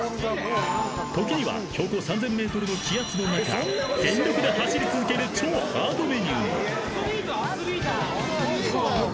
［時には標高３，０００ｍの気圧の中全力で走り続ける超ハードメニューも］